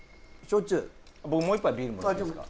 僕もう一杯ビールもらっていいすか？